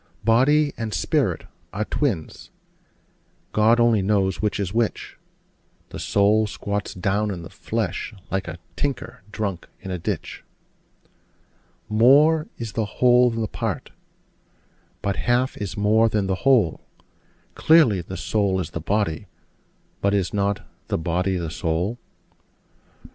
Body and spirit are twins: God only knows which is which: The soul squats down in the flesh, like a tinker drunk in a ditch. More is the whole than a part: but half is more than the whole: Clearly, the soul is the body: but is not the body the soul?